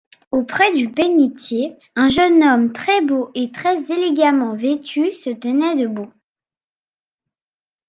Auprès du bénitier, un jeune homme très beau et très élégamment vêtu se tenait debout.